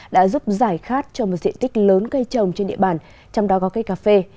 đã giúp giải khát cho một diện tích lớn cây trồng trên địa bàn trong đó có cây cà phê